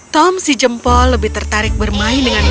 tom si jempol lebih tertarik bermain dengan